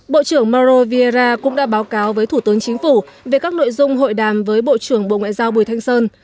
bộ trưởng mauro vieira cũng đã báo cáo với thủ tướng chính phủ về các nội dung hội đàm với bộ trưởng bộ ngoại giao bùi thanh sơn